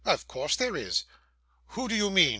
'Of course there is.' 'Who do you mean?